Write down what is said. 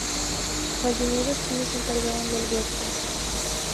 Jardineros chinos se encargaban del huerto.